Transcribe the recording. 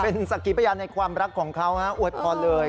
เป็นสักกิพยานในความรักของเขาอวยพรเลย